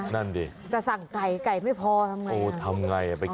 นั่นดีแต่สั่งไก่ไก่ไม่พอทำไงโอ้ทำไง